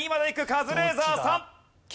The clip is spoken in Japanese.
カズレーザーさん。